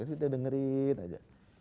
kita dengerin aja